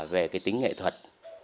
về cái tính nghệ thuật